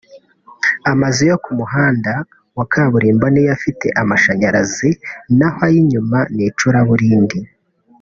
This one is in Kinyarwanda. Amazu yo ku muhanda wa kaburimbo ni yo afite amashanyarazi naho ay’inyuma ni icuraburindi